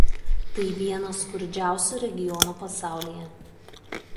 Tai vienas skurdžiausių regionų pasaulyje.